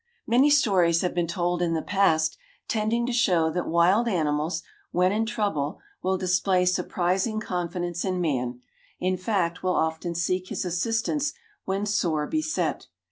Many stories have been told in the past, tending to show that wild animals when in trouble will display surprising confidence in man, in fact will often seek his assistance when sore beset.